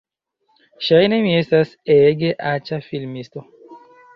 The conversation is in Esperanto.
Ŝajne mi estas ege aĉa filmisto